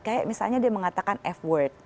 kayak misalnya dia mengatakan f work